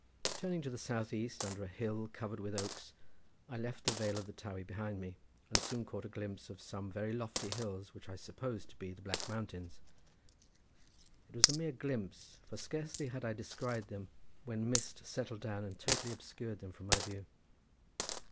Turning to the south east under a hill covered with oaks, I left the vale of the Towey behind me, and soon caught a glimpse of some very lofty hills which I supposed to be the Black Mountains. It was a mere glimpse, for scarcely had I descried them when mist settled down and totally obscured them from my view.